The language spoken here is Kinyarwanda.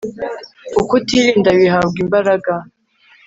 Ukutirinda Bihabwa Imbaraga